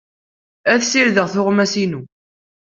Ad ssirdeɣ tuɣmas-inu.